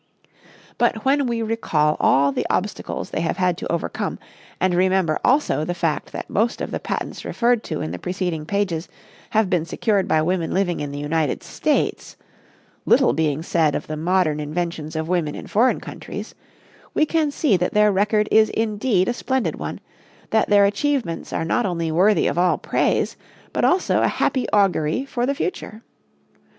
But when we recall all the obstacles they have had to overcome and remember also the fact that most of the patents referred to in the preceding pages have been secured by women living in the United States little being said of the modern inventions of women in foreign countries we can see that their record is indeed a splendid one, that their achievements are not only worthy of all praise, but also a happy augury for the future.